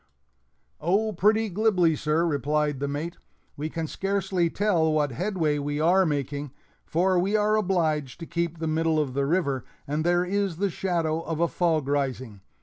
"Oh, pretty glibly, sir," replied the mate; "we can scarcely tell what headway we are making, for we are obliged to keep the middle of the river, and there is the shadow of a fog rising.